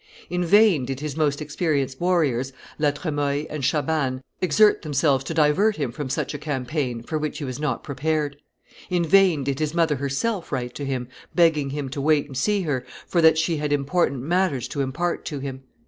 In vain did his most experienced warriors, La Tremoille and Chabannes, exert themselves to divert him from such a campaign, for which he was not prepared; in vain did his mother herself write to him, begging him to wait and see her, for that she had important matters to impart to him.